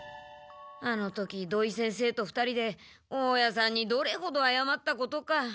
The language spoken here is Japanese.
あの時土井先生と２人で大家さんにどれほどあやまったことか。